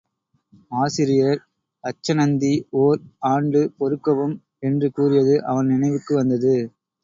ஆசிரியர் அச்சணந்தி ஓர் ஆண்டு பொறுக்கவும் என்று கூறியது அவன் நினைவுக்கு வந்தது.